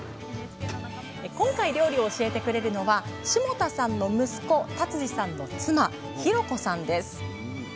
今回料理を教えてくれるのは霜多さんの息子辰樹さんの妻浩子さんです。